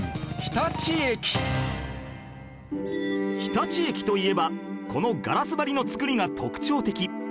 日立駅といえばこのガラス張りの造りが特徴的